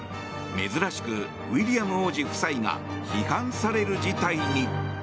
珍しくウィリアム王子夫妻が批判される事態に。